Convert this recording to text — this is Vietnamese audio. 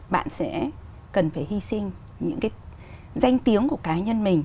bạn sẽ cần phải hy sinh những cái danh tiếng của cá nhân mình